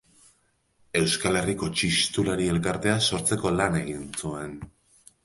Euskal Herriko Txistulari Elkartea sortzeko lan egin zuen.